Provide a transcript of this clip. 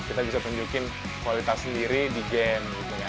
kita bisa tunjukin kualitas sendiri di game